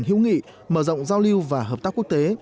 hữu nghị mở rộng giao lưu và hợp tác quốc tế